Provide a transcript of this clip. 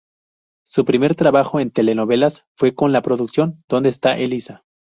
Su primer trabajo en telenovelas fue con la producción "Donde está Elisa?